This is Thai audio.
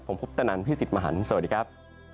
ผมพุทธนันทร์พี่สิทธิ์มหันทร์สวัสดีครับ